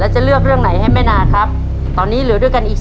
ตัวเลือดที่๓ม้าลายกับนกแก้วมาคอ